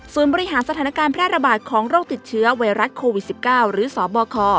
ส่วนบริหารสถานการณ์แพร่ระบาดของโรคติดเชื้อไวรัสโควิด๑๙หรือสบค